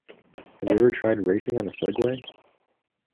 Have you ever tried racing on a Segway?